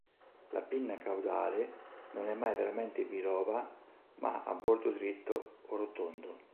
La pinna caudale non è mai veramente biloba ma a bordo dritto o rotondo.